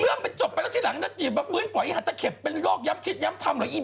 กูต้องเสียงอย่างนั้นกี่ต้องเพิ่งแจ๊อนน่ามอย่างนี้